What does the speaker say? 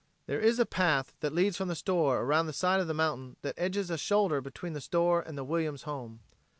There is a path that leads from the store around the side of the mountain that edges a shoulder between the store and the Williams home.